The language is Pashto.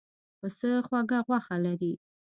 پسه خوږه غوښه لري.